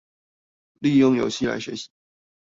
利用遊戲來學習